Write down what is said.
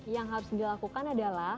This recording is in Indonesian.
yang harus dilakukan adalah